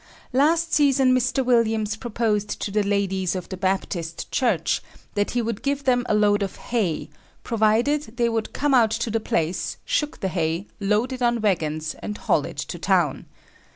"Last season Mr. Williams proposed to the ladies of the Baptist church that he would give them a load of hay, provided they would come out to the place, shock the hay, load it on wagons and haul it to town.